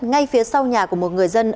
ngay phía sau nhà của một người dân